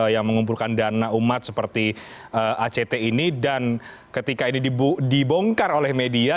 yang mengumpulkan dana umat seperti act ini dan ketika ini dibongkar oleh media